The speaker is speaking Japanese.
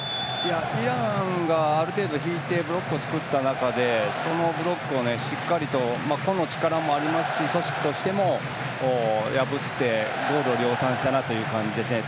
イランがある程度引いてブロックを作った中でそのブロックをしっかりと個の力もありますし組織としても破って、ゴールを量産したなという感じですね。